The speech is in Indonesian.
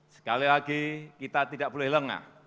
sekali lagi kita tidak boleh lengah